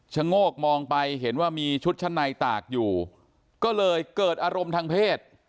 โงกมองไปเห็นว่ามีชุดชั้นในตากอยู่ก็เลยเกิดอารมณ์ทางเพศ